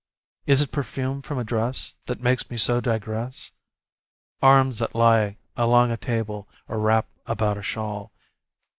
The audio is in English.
Is it perfume from a dress That makes me so digress? Arms that lie along a table, or wrap about a shawl.